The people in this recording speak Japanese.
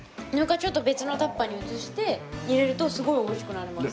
ちょっと別のタッパーに移して入れるとすごい美味しくなります。